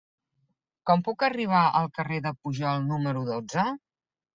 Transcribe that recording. Com puc arribar al carrer de Pujol número dotze?